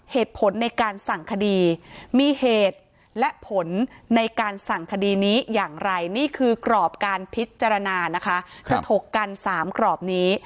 เหตุผลในการสั่งคดีมีเหตุและผลในการสั่งคดีนี้อย่างไรนี่คือกรอบการพิจารณานะคะจะถกกัน๓กรอบนี้